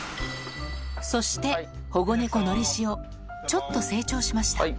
そして、保護猫、のりしお、ちょっと成長しました。